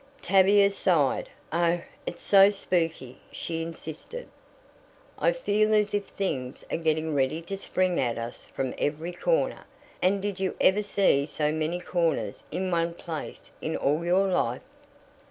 Tavia sighed. "Oh, it's so spooky," she insisted. "I feel as if things are getting ready to spring at us from every corner. And did you ever see so many corners in one place in all your life?"